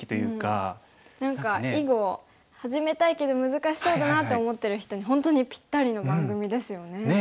何か囲碁始めたいけど難しそうだなって思ってる人に本当にぴったりの番組ですよね。